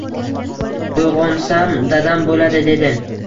Uyg‘onsam dadam bo‘ladi dedi.